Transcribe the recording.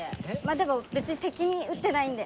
でも別に敵に撃ってないんで。